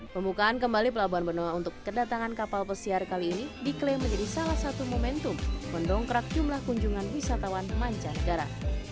pembukaan kembali pelabuhan benoa untuk kedatangan kapal pesiar kali ini diklaim menjadi salah satu momentum mendongkrak jumlah kunjungan wisatawan mancanegara